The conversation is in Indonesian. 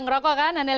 berasal dari kocek anda